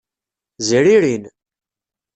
Zririn.